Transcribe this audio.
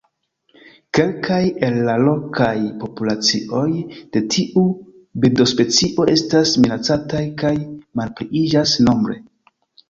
Kelkaj el la lokaj populacioj de tiu birdospecio estas minacataj kaj malpliiĝas nombre.